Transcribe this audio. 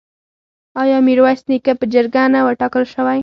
آیا میرویس نیکه په جرګه نه وټاکل شو؟